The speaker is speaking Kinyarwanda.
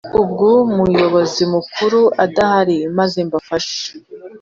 ubw Umuyobozi mukuru adahari muze mbafashe